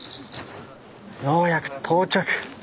ようやく到着。